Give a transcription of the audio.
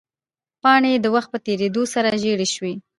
پاڼې یې د وخت په تېرېدو سره زیړې شوې وې.